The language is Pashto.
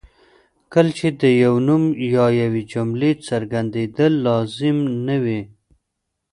کله چې د یو نوم یا یوې جملې څرګندېدل لازم نه وي.